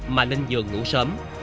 mà lên giường ngủ sớm